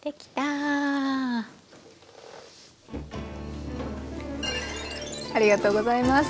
ありがとうございます。